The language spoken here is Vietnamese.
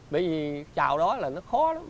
bởi vì chào đó là nó khó lắm